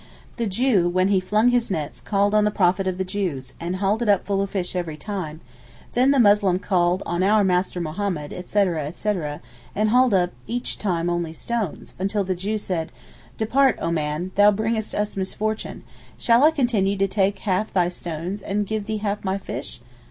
The Jew, when he flung his nets called on the Prophet of the Jews, and hauled it up full of fish every time; then the Muslim called on our Master Mohammed etc., etc., and hauled up each time only stones, until the Jew said, 'Depart, O man, thou bringest us misfortune; shall I continue to take half thy stones, and give thee half my fish?